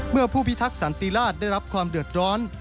เมื่อผู้พิทักษันติราชได้รับความเดือดร้อน